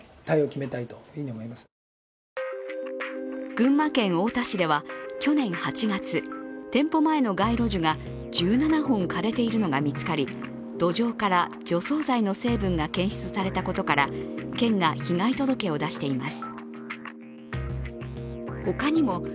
群馬県太田市では去年８月、店舗前の街路樹が１７本枯れているのが見つかり、土壌から除草剤の成分が検出されたことから県が被害届を出しています。